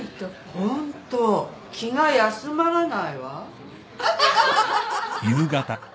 ホント気が休まらないわ。